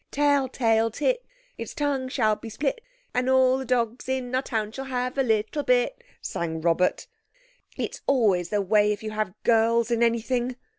"Tell tale tit, its tongue shall be split, And all the dogs in our town shall have a little bit," sang Robert. "It's always the way if you have girls in anything."